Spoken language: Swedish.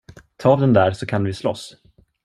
Ta av den där, så kan vi slåss!